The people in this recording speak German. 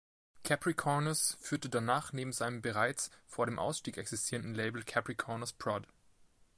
Capricornus führte danach neben seinem bereits vor dem Ausstieg existierenden Label Capricornus Prod.